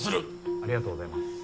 ありがとうございます。